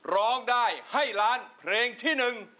ร้องได้ให้ล้านเพลงที่หนึ่ง